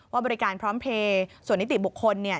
บริการพร้อมเพลย์ส่วนนิติบุคคลเนี่ย